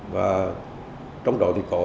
và trong đó thì có